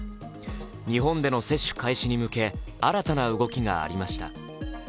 日本での接種開始に向け新たな動きがありました。